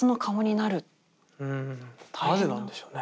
なぜなんでしょうね？